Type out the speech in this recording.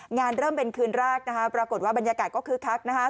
งานเริ่มเป็นคืนราคนะคะปรากฏว่าบรรยากาศก็คือคักนะคะ